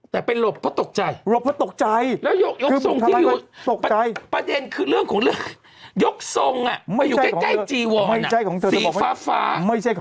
แต่เป็นเหลิปเพราะตกใจ